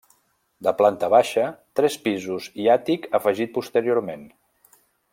De planta baixa, tres pisos i àtic afegit posteriorment.